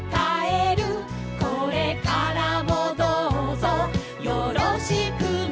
「これからもどうぞよろしくね」